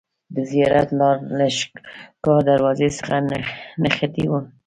د زیارت لار له ښکار دروازې څخه نښتې وه.